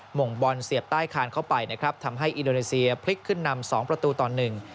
ห่งบอลเสียบใต้คานเข้าไปนะครับทำให้อินโดนีเซียพลิกขึ้นนำสองประตูต่อหนึ่ง